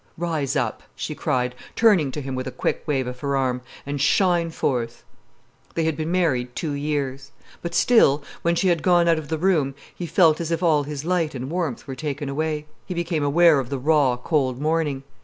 "Rise up," she cried, turning to him with a quick wave of her arm—"and shine forth." They had been married two years. But still, when she had gone out of the room, he felt as if all his light and warmth were taken away, he became aware of the raw, cold morning.